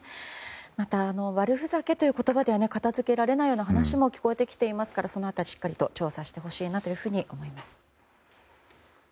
また、悪ふざけという言葉で片づけられないような話も聞こえてきていますからその辺り、しっかりと調査してほしいなと思います。